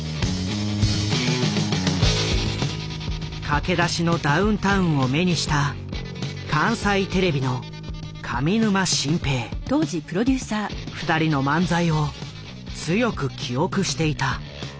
駆け出しのダウンタウンを目にした二人の漫才を強く記憶していた。